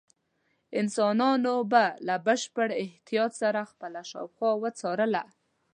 انسانانو به له بشپړ احتیاط سره خپله شاوخوا څارله.